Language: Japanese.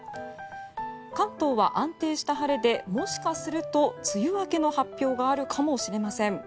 関東は安定した晴れでもしかすると梅雨明けの発表があるかもしれません。